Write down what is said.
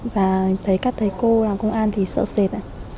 và thấy các thầy cô làm công an thì sợ sệt